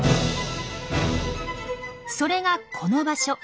それがこの場所。